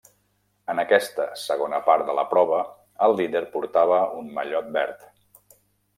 En aquesta segona part de la prova el líder portava un mallot verd.